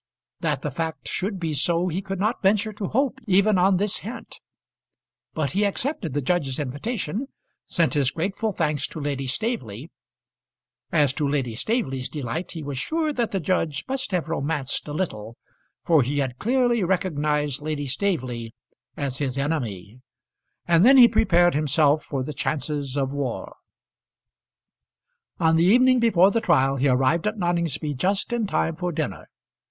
That the fact should be so he could not venture to hope even on this hint; but he accepted the judge's invitation, sent his grateful thanks to Lady Staveley; as to Lady Staveley's delight, he was sure that the judge must have romanced a little, for he had clearly recognised Lady Staveley as his enemy; and then he prepared himself for the chances of war. On the evening before the trial he arrived at Noningsby just in time for dinner.